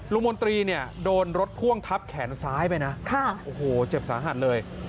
มนตรีเนี่ยโดนรถพ่วงทับแขนซ้ายไปนะโอ้โหเจ็บสาหัสเลย